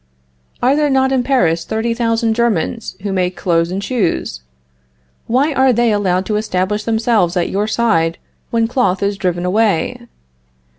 Are there not in Paris thirty thousand Germans who make clothes and shoes? Why are they allowed to establish themselves at your side when cloth is driven away?